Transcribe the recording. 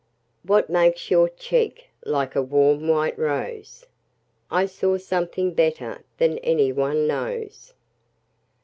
What makes your cheek like a warm white rose?I saw something better than any one knows.